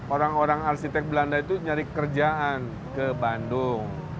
orang orang arsitek belanda itu nyari kerjaan ke bandung